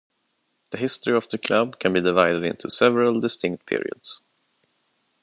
The history of the club can be divided into several distinct periods.